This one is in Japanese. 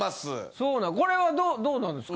そうなんこれはどうなんですか？